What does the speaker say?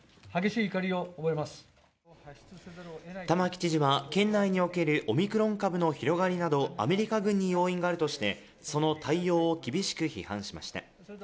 玉城知事は県内におけるオミクロン株の広がりなどアメリカ軍に要因があるとして、その対応を厳しく批判しました。